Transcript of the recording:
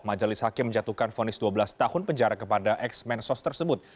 majelis hakim menjatuhkan fonis dua belas tahun penjara kepada ex mensos tersebut